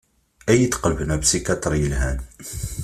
Ad iyi-d-qelben apsikyaṭr yelhan.